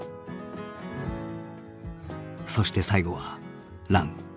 そして最後は「ラン」。